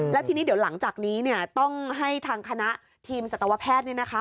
แล้วทีนี้เดี๋ยวหลังจากนี้เนี่ยต้องให้ทางคณะทีมสัตวแพทย์เนี่ยนะคะ